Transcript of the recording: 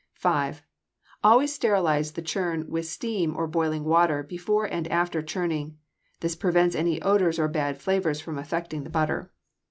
5. Always sterilize the churn with steam or boiling water before and after churning. This prevents any odors or bad flavors from affecting the butter.